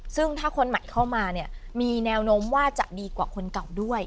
ซึ่งถ้าคนใหม่เข้ามาเนี่ยมีแนวโน้มว่าจะดีกว่าคนเก่าด้วย